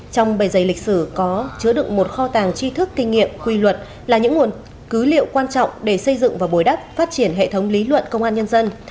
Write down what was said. trong bề dày lịch sử có chứa được một kho tàng chi thức kinh nghiệm quy luật là những nguồn cứ liệu quan trọng để xây dựng và bồi đắp phát triển hệ thống lý luận công an nhân dân